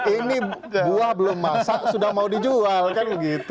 ini buah belum masak sudah mau dijual kan begitu